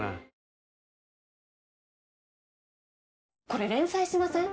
これ連載しません？